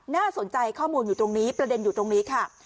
น่าสนใจข้อมูลอยู่ตรงนี้ประเด็นอยู่ตรงนี้ค่ะ